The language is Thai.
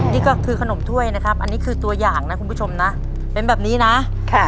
นี่ก็คือขนมถ้วยนะครับอันนี้คือตัวอย่างนะคุณผู้ชมนะเป็นแบบนี้นะค่ะ